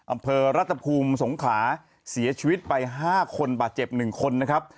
อำเภอรัฐภูมิสงขลาเสียชีวิตไป๕คนบาดเจ็บ๑คนนะครับ